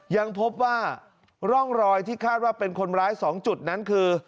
ยังพบว่าร่องรอยที่คาดว่าเป็นคนร้าย๒จุดนั้นคือ